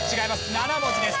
７文字です。